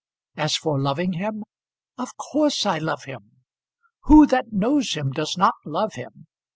As for loving him, of course I love him. Who that knows him does not love him?